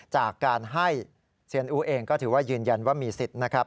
จากการให้เซียนอู๋เองก็ถือว่ายืนยันว่ามีสิทธิ์นะครับ